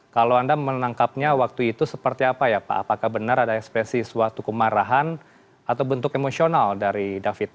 kalau anda menangkapnya waktu itu seperti apa ya pak apakah benar ada ekspresi suatu kemarahan atau bentuk emosional dari david